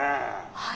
「はい。